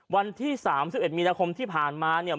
วันที่๓๑มีนาคมที่ผ่านมาเนี่ย